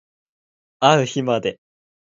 あう日まで